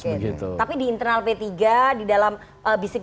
tapi di internal p tiga di dalam bisik bisik ketanda di dalam p tiga